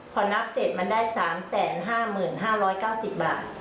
พอนับเสร็จมันได้สามแสนห้าหมื่นห้าร้อยเก้าสิบบาท